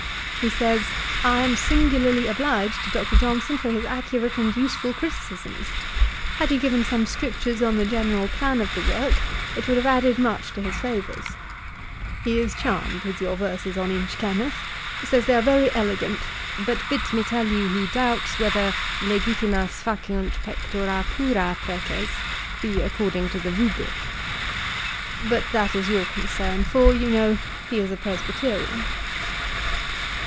He says, "I am singularly obliged to Dr. Johnson for his accurate and useful criticisms. Had he given some strictures on the general plan of the work, it would have added much to his favours." He is charmed with your verses on Inchkenneth, says they are very elegant, but bids me tell you he doubts whether be according to the rubrick; but that is your concern; for, you know, he is a Presbyterian.'